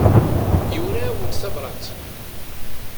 Yura-awent tabrat.